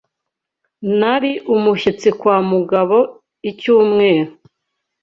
Nari umushyitsi kwa Mugabo icyumweru.